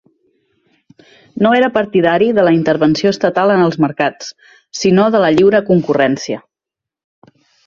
No era partidari de la intervenció estatal en els mercats, sinó de la lliure concurrència.